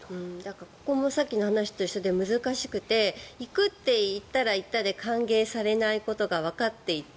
ここもさっきの話と一緒で難しくて行くと言ったら言ったで歓迎されないことがわかっていて